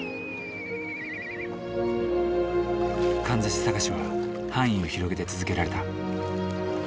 かんざし捜しは範囲を広げて続けられた。